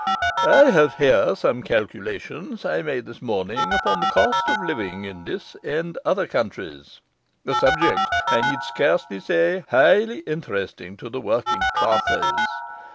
I have here some calculations I made this morning upon the cost of living in this and other countries a subject, I need scarcely say, highly interesting to the working classes.